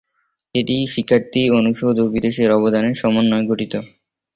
এটি শিক্ষার্থী, অনুষদ এবং বিদেশের অবদানের সমন্বয়ে গঠিত।